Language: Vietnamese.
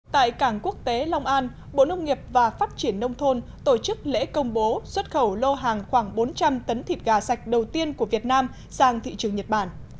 tại cảng quốc tế long an bộ nông nghiệp và phát triển nông thôn tổ chức lễ công bố xuất khẩu lô hàng khoảng bốn trăm linh tấn thịt gà sạch đầu tiên của việt nam sang thị trường nhật bản